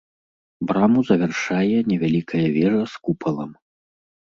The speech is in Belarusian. Браму завяршае невялікая вежа з купалам.